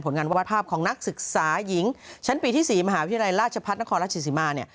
งานวภาพของนักศึกษาหญิงชั้นปีที่๔มหาวิทยาลัยราชพัฒนครราชสิมาเนี่ย